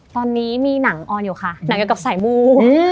ตอนนี้มีหนังออนอยู่ค่ะหนังอยู่กับสายมู